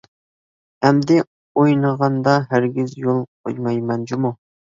ئەمدى ئوينىغاندا ھەرگىز يول قويمايمەن جۇمۇ.